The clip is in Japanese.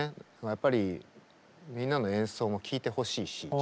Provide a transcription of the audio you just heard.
やっぱりみんなの演奏も聴いてほしいし。